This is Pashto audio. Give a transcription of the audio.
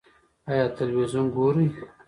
ایا تلویزیون ګورئ؟